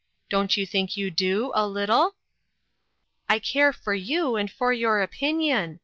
Don't you think you do, a little ?"" I care for you, and for your opinion.